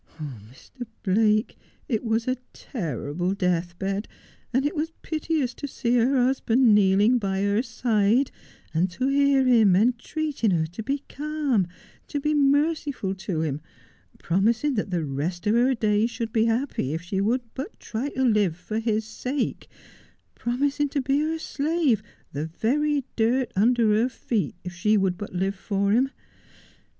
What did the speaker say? Oh, Mr. Blake, it was a terrible deathbed, and it was piteous to see her husband kneeling by her side, and to hear him entreating her to be calm, to be merciful to him, promising that the rest of her days should be happy if she would but try to live for his sake, promising to be her slave, the very dirt under her feet, if she would but live for him.